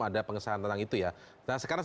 dan nampak t the